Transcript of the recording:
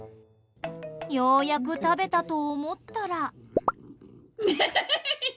ようやく食べたと思ったら。